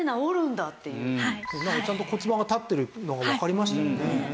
ちゃんと骨盤が立ってるのがわかりましたよね。